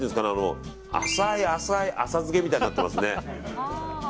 浅い浅い浅漬けみたいになってますね。